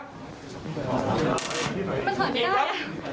มันถอยได้